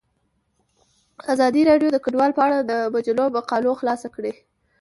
ازادي راډیو د کډوال په اړه د مجلو مقالو خلاصه کړې.